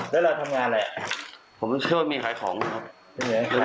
แล้วเราทำงานอะไรผมเชื่อว่ามีขายของนะครับ